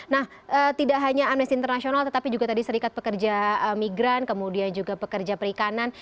nah tidak hanya amnesty international tetapi juga tadi serikat pekerja migran kemudian juga pekerja perikanan